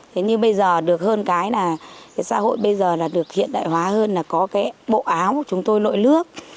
thế nhưng bây giờ được hơn cái là xã hội bây giờ là được hiện đại hóa hơn là có cái bộ áo của chúng tôi nội lướp